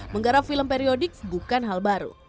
menggarap film periodik bukan hal baru